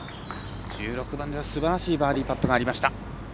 １６番ではすばらしいバーディーパットがありました。